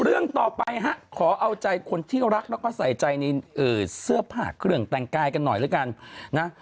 เรื่องต่อไปฮะขอเอาใจคนที่รักแล้วก็ใส่ใจในเสื้อผ้าเครื่องแต่งกายกันหน่อยแล้วกันนะ